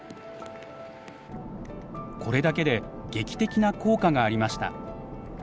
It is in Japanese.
これだけで劇的な効果がありました。